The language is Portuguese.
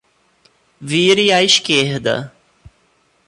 Vire à esquerda.